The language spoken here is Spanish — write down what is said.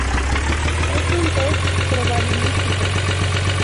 Es un test probabilístico.